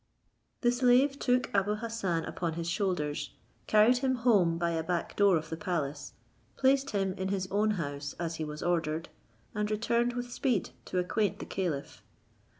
The slave took Abou Hassan upon his shoulders, carried him home by a back door of the palace, placed him in his own house as he was ordered, and returned with speed, to acquaint the caliph.